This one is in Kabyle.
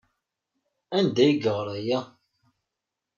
Anda ay yeɣra aya?